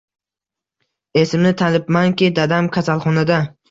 Esimni tanibmanki, dadam kasalxonada.